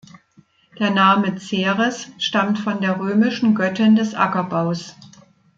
Der Name Ceres stammt von der römischen Göttin des Ackerbaus.